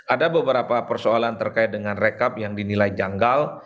ada beberapa persoalan terkait dengan rekap yang dinilai janggal